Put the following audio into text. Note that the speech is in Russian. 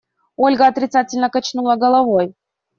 Ольга отрицательно качнула головой.